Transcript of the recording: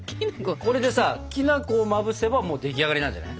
これでさきな粉をまぶせばもう出来上がりなんじゃない。